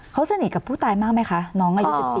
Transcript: เขาสนิทกับผู้ตายมากไหมคะน้องอายุ๑๔